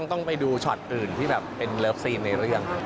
ต้องไปดูช็อตอื่นที่แบบเป็นเลิฟซีนในเรื่อง